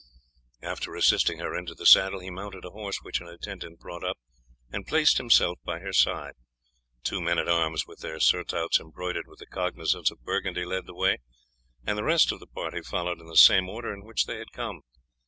After assisting her into the saddle he mounted a horse which an attendant brought up and placed himself by her side. Two men at arms with their surtouts embroidered with the cognizance of Burgundy led the way, and the rest of the party followed in the same order in which they had come.